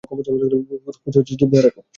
কোষ হচ্ছে জীবদেহের একক।